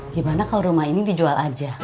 gimana kalau rumah ini dijual aja